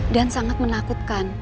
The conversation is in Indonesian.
dan sangat menakutkan